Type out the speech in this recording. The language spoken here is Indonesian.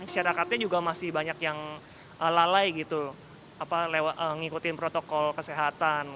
masyarakatnya juga masih banyak yang lalai gitu ngikutin protokol kesehatan